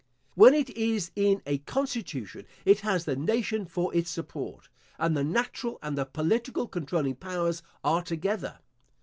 When it is in a constitution, it has the nation for its support, and the natural and the political controlling powers are together.